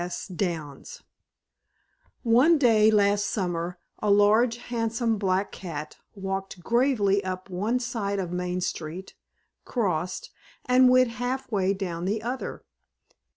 S. Downs One day last summer a large handsome black cat walked gravely up one side of Main street, crossed, and went half way down the other.